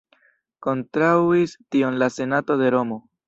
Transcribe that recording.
Kontraŭis tion la senato de Romo.